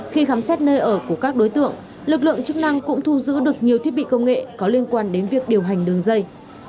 khi khám xét nơi ở của các đối tượng lực lượng chức năng cũng thu giữ được nhiều thiết bị công nghệ có liên quan đến việc điều hành đường dây